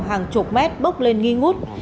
hàng chục mét bốc lên nghi ngút